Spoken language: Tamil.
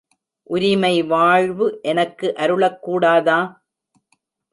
உரிமை வாழ்வு எனக்கு அருளக் கூடாதா?